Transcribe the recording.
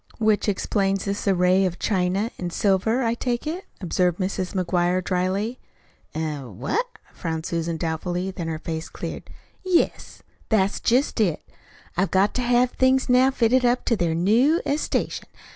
"Which explains this array of china an' silver, I take it," observed Mrs. McGuire dryly. "Eh? What?" frowned Susan doubtfully; then her face cleared. "Yes, that's jest it. They've got to have things now fitted up to their new estation.